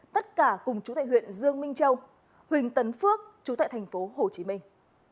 tất cả cùng chủ tệ huyện dương minh châu huỳnh tấn phước chủ tệ thành phố hồ chí minh